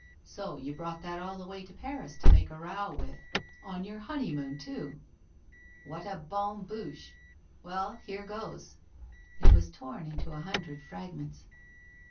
' So you brought that all the way to Paris to make a row with — on vour honeymoon, too! What a bonne louche! Well, here goe '' It was torn into a hundred fragments.